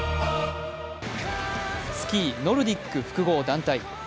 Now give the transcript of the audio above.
スキー・ノルディック複合団体。